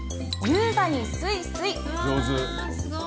優雅にスイスイ。